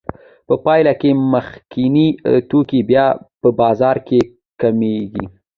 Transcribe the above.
په پایله کې مخکیني توکي بیا په بازار کې کمېږي